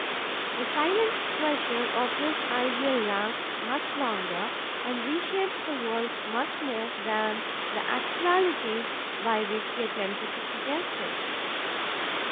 The silent pressure of his ideal lasts much longer and reshapes the world much more than the actualities by which he attempted to suggest it.